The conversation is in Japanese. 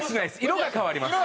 色が変わります。